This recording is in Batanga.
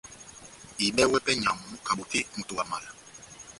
Ihibɛwɛ pɛhɛ nʼnyamu kabotè moto wa mala